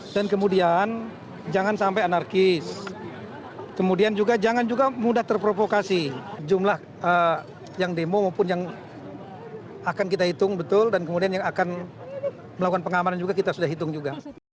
dan kemudian jangan sampai anarkis kemudian juga jangan mudah terprovokasi jumlah yang demo maupun yang akan kita hitung betul dan kemudian yang akan melakukan pengamanan juga kita sudah hitung juga